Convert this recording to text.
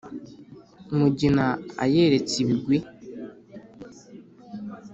mugina ayeretse ibigwi